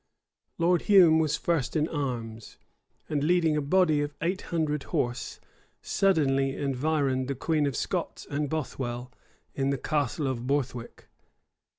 Lord Hume was first in arms; and leading a body of eight hundred horse, suddenly environed the queen of Scots and Bothwell, in the Castle of Borthwick.